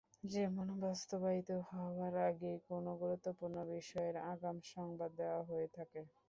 যেমন বাস্তবায়িত হওয়ার আগেই কোন গুরুত্বপূর্ণ বিষয়ের আগাম সংবাদ দেওয়া হয়ে থাকে।